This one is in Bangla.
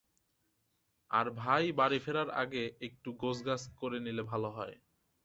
আর ভাই বাড়ি ফেরার আগে একটু গোছগাছ করে নিলে ভালো হয়।